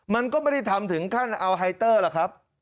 มันก็ไม่ได้ทำถึงขั้นเอาไฮเตอร์หรอกครับ